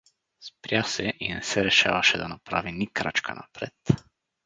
Спря се и не се решаваше да направи ни кръчка напред.